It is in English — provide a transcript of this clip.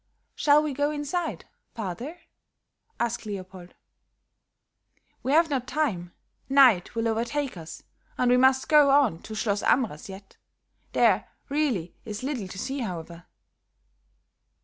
"Shall we go inside, father?" asked Leopold. "We have not time; night will overtake us, and we must go on to Schloss Amras yet. There really is little to see, however."